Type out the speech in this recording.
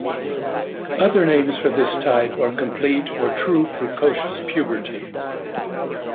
Other names for this type are "complete" or "true precocious" puberty.